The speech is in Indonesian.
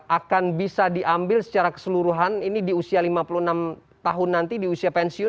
akan bisa diambil secara keseluruhan ini di usia lima puluh enam tahun nanti di usia pensiun